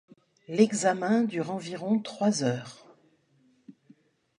L'examen dure environ trois heures.